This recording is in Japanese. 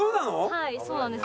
はいそうなんです。